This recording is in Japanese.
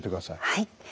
はい。